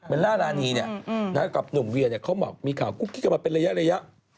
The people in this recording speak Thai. ล่ารานีเนี่ยกับหนุ่มเวียเขาบอกมีข่าวกุ๊กกิ๊กกันมาเป็นระยะ